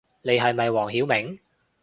你係咪黃曉明